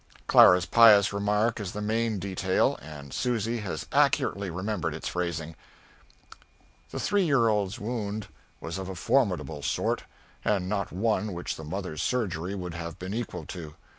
Clara's pious remark is the main detail, and Susy has accurately remembered its phrasing. The three year older's wound was of a formidable sort, and not one which the mother's surgery would have been equal to.